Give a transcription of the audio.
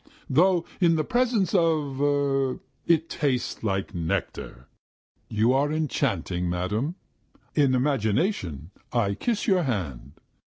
_ Though in the presence of ... er ... it tastes like nectar. You are enchanting, madam! In imagination I kiss your hand."